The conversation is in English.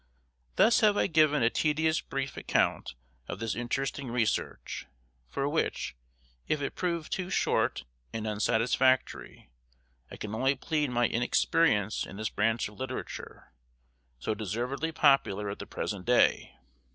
Thus have I given a "tedious brief" account of this interesting research, for which, if it prove too short and unsatisfactory, I can only plead my inexperience in this branch of literature, so deservedly popular at the present day.